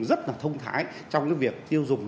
rất là thông thái trong cái việc tiêu dùng